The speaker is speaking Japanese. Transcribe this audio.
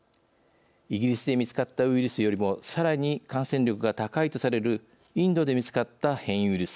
イギリスで見つかったウイルスよりもさらに感染力が高いとされるインドで見つかった変異ウイルス。